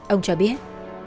ông cho biết